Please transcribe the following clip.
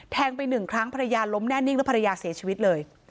ไปหนึ่งครั้งภรรยาล้มแน่นิ่งแล้วภรรยาเสียชีวิตเลย